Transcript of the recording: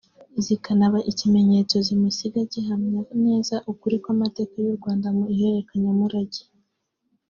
zikanaba ikimenyetso simusiga gihamya neza ukuri kw’amateka y’u Rwanda mu iherekanyamurage